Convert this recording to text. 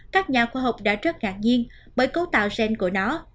các nhà khoa học đã rất ngạc nhiên bởi cấu tạo gen của nó